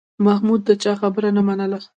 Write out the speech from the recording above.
محمود د چا خبره نه منله